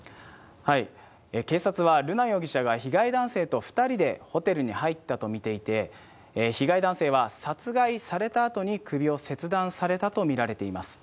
警察は、瑠奈容疑者が被害男性と２人でホテルに入ったと見ていて、被害男性は殺害されたあとに首を切断されたと見られています。